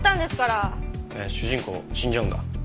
へえー主人公死んじゃうんだ。